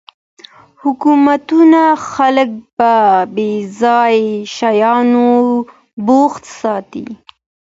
حکومتونه خلګ په بې ځایه شیانو بوخت ساتي.